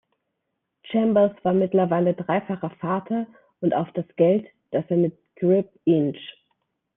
Chambers war mittlerweile dreifacher Vater und auf das Geld, das er mit Grip Inc.